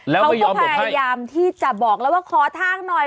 แล้วเขาก็ยอมหลบให้เขาพยายามที่จะบอกแล้วว่าขอทางหน่อย